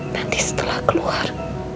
nanti setelah keluar